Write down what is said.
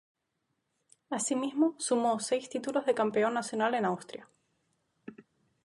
Así mismo, sumó seis títulos de campeón nacional en Austria.